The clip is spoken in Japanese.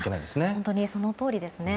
本当にそのとおりですね。